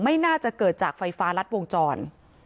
น่าจะเกิดจากไฟฟ้ารัดวงจร